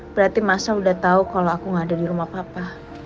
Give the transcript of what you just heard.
berarti mas al udah tau kalo aku gak ada di rumah papa